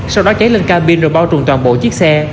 sau đó cháy lên cabin rồi bao trùm toàn bộ chiếc xe